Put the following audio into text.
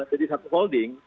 jadi satu holding